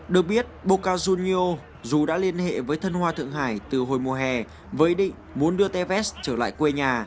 được biết bucca junio dù đã liên hệ với thân hoa thượng hải từ hồi mùa hè với ý định muốn đưa tevez trở lại quê nhà